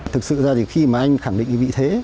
thực sự ra khi mà anh khẳng định